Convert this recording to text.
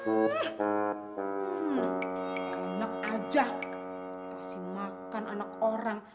enak aja kasih makan anak orang